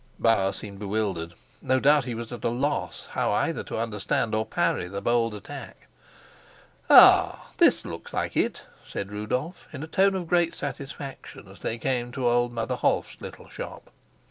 Bauer seemed bewildered: no doubt he was at a loss how either to understand or to parry the bold attack. "Ah, this looks like it," said Rudolf, in a tone of great satisfaction, as they came to old Mother Holf's little shop.